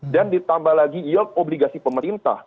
dan ditambah lagi yield obligasi pemerintah